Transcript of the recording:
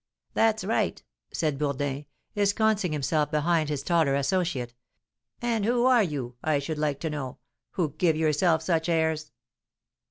"That's right!" said Bourdin, ensconcing himself behind his taller associate. "And who are you, I should like to know, who give yourself such airs?"